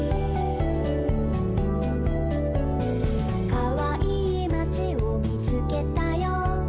「かわいいまちをみつけたよ」